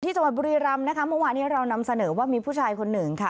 จังหวัดบุรีรำนะคะเมื่อวานี้เรานำเสนอว่ามีผู้ชายคนหนึ่งค่ะ